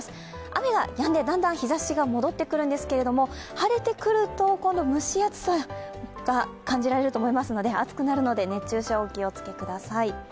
雨がやんで、だんだん日ざしが戻ってくるんですけれども、晴れてくると、今度、蒸し暑さが感じられると思いますので暑くなるので熱中症、お気をつけください。